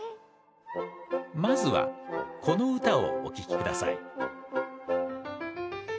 まずはこの歌をお聴きください。